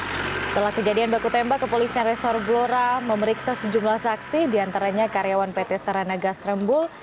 setelah kejadian baku tembak kepolisian resor blora memeriksa sejumlah saksi di antaranya karyawan pt saranagas trembul